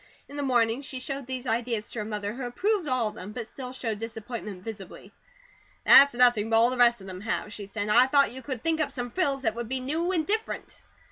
In the morning, she showed these ideas to her mother who approved all of them, but still showed disappointment visibly. "That's nothing but all the rest of them have," she said. "I thought you could think up some frills that would be new, and different."